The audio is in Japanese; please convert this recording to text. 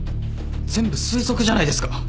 全部推測じゃないですか。